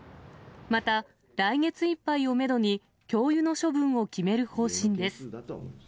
また来月いっぱいをメドに、教諭の処分を決める方針です。